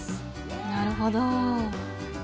なるほど。